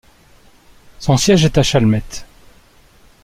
Son siège est à Chalmette.